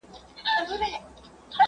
د سېلیو هیبتناکه آوازونه